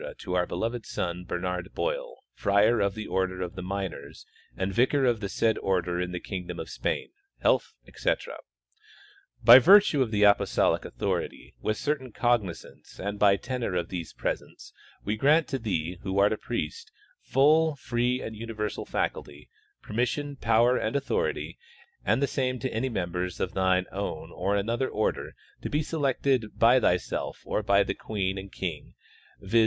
to our beloved son, Bernard Boil, friar of the order of Minors and vicar of the said order in the kingdom of Spain, health, etc. : By virtue of apostolic authority, with certain cognizance and by tenor of these presents, we grant to thee, who art a priest, full, free and universal faculty, permission power, and authority, and the same to any members of thy own or another order, to* be selected by thyself or by the King and Queen, viz.